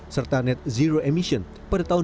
serta net zero emission pada tahun dua ribu